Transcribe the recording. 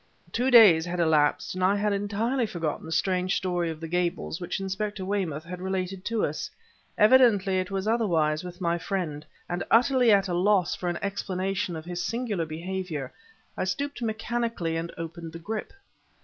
Two days had elapsed, and I had entirely forgotten the strange story of the Gables which Inspector Weymouth had related to us; evidently it was otherwise with my friend, and utterly at a loss for an explanation of his singular behavior, I stooped mechanically and opened the grip.